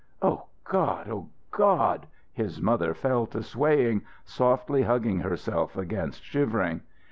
"O God! O God!" His mother fell to swaying, softly hugging herself against shivering.